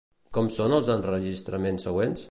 Com són els enregistraments següents?